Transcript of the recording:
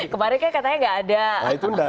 kemarin kan katanya nggak ada